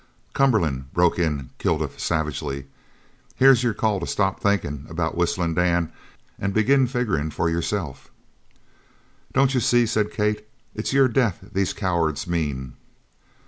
"Cumberland," broke in Kilduff savagely, "here's your call to stop thinkin' about Whistlin' Dan an' begin figgerin' for yourself." "Don't you see?" said Kate, "it's your death these cowards mean."